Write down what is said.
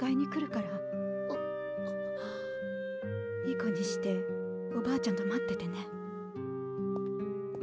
いい子にしておばあちゃんと待っててね。